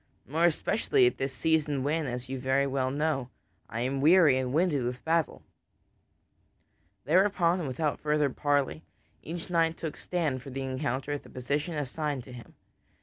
More especially at this season when, as you very well know, I am weary and winded with battle." Thereupon and without further parley, each knight took stand for the encounter at the position assigned to him.